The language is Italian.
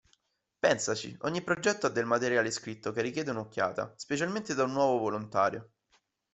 Pensaci, ogni progetto ha del materiale scritto che richiede una occhiata, specialmente da un nuovo volontario!